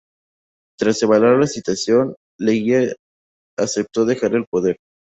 Tras evaluar la situación, Leguía aceptó dejar el poder.